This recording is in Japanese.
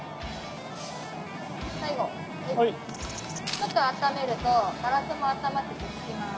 ちょっと温めるとガラスも温まってくっつきます。